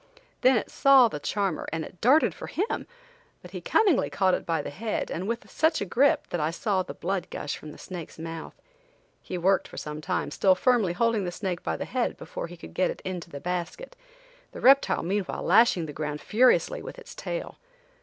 Then it saw the charmer and it darted for him, but he cunningly caught it by the head and with such a grip that I saw the blood gush from the snake's month. He worked for some time, still firmly holding the snake by the head before he could get it into the basket, the reptile meanwhile lashing the ground furiously with its tail.